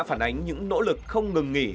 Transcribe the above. phản ánh những nỗ lực không ngừng nghỉ